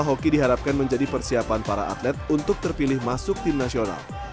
tim hoki putri jawa barat akan menjadi persiapan para atlet untuk terpilih masuk tim nasional